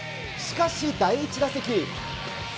しかし、第１打席。